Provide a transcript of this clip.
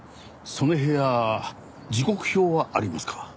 その部屋時刻表はありますか？